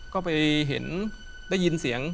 ก็ไปเห็นได้ยินเสียง